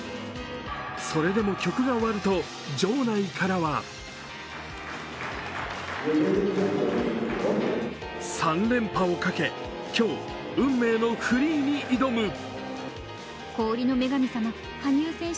それでも曲が終わると、場内からは３連覇をかけ今日、運命のフリーに挑む。